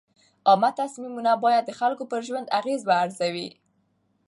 عامه تصمیمونه باید د خلکو پر ژوند اغېز وارزوي.